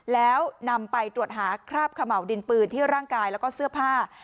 แล้วนำไปตรวจหาคราบเขม่าวดินปืนที่ร่างกายแล้วก็เสื้อผ้า